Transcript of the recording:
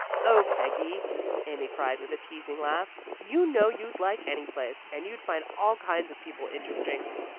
"Oh, Peggy," Amy cried with a teasing laugh, "you know you'd like any place, and you find all kinds of people interesting."